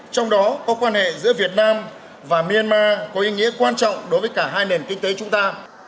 trong đó có quan hệ giữa việt nam và myanmar có ý nghĩa quan trọng đối với cả hai nền kinh tế chúng ta